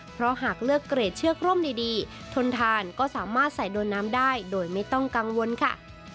เพราะหากเลือกเกรดเชือกร่มดีทนทานก็สามารถใส่โดนน้ำได้โดยไม่ต้องกังวลค่ะ